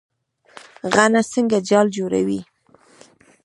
غڼه څنګه جال جوړوي؟